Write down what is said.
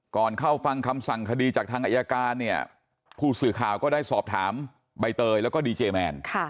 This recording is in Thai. เข้าฟังคำสั่งคดีจากทางอายการเนี่ยผู้สื่อข่าวก็ได้สอบถามใบเตยแล้วก็ดีเจแมน